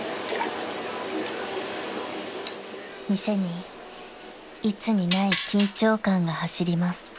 ［店にいつにない緊張感が走ります］